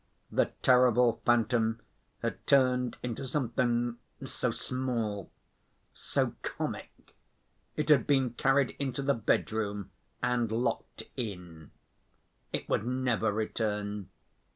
The terrible phantom had turned into something so small, so comic; it had been carried into the bedroom and locked in. It would never return.